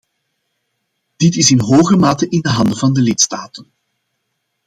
Dit is in hoge mate in de handen van de lidstaten.